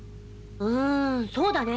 うんそうだねえ。